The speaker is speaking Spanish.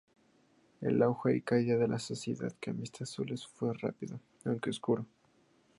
El auge y caída de la Sociedad de Camisas Azules fue rápido, aunque oscuro.